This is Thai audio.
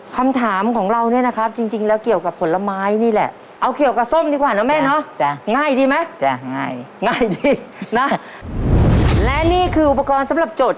คำถามของเราเนี่ยนะครับจริงแล้วเกี่ยวกับผลไม้นี่แหละ